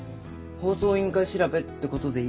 放送委員会調べってことでいい？